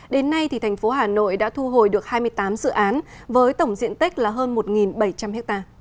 đến nay thành phố hà nội đã thu hồi được hai mươi tám dự án với tổng diện tích là hơn một bảy trăm linh ha